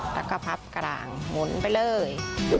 แล้วก็พับกลางหมุนไปเลย